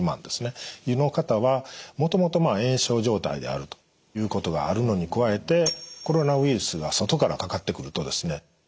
という方はもともと炎症状態であるということがあるのに加えてコロナウイルスが外からかかってくるとですね